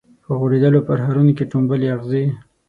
په غوړیدولو پرهرونو کي ټومبلي اغزي